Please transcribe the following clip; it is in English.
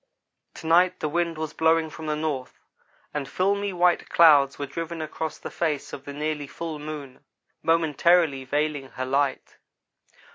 To night the wind was blowing from the north, and filmy white clouds were driven across the face of the nearly full moon, momentarily veiling her light.